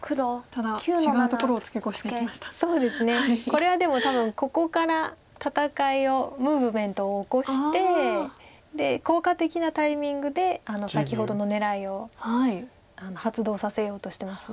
これはでも多分ここから戦いをムーブメントを起こしてで効果的なタイミングで先ほどの狙いを発動させようとしてます